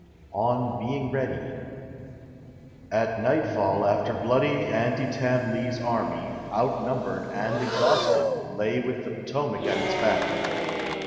ON BEING READY At nightfall after bloody Antietam Lee's army, outnumbered and exhausted, lay with the Potomac at its back.